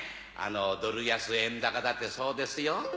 ドル安円高だってそうですよ。